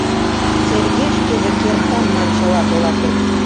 Серге шкеже «кертам» маншыла толашен.